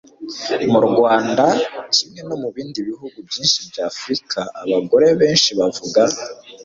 mu rwanda kimwe no mu bindi bihugu byinshi by'afurika abagore benshi bavuga